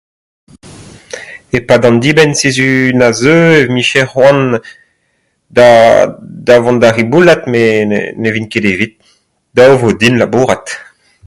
E-pad an dibenn-sizhun a zeu em bije c'hoant da... da vont da riboulat, met ne vin ket evit. dav 'vo din labourat.